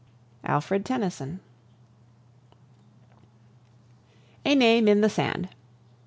ALFRED TENNYSON. A NAME IN THE SAND.